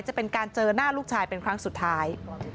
จะเป็นการเจอหน้าลูกชายเป็นครั้งสุดท้าย